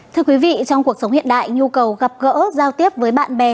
thưa quý vị trong cuộc sống hiện đại nhu cầu gặp gỡ giao tiếp với bạn bè